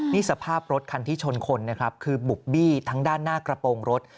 นี่สภาพรถคันที่ชนคนนะครับคือบุบบี้ทั้งด้านหน้ากระโปรงรถ